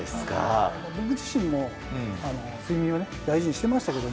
僕自身も睡眠は大事にしていましたけど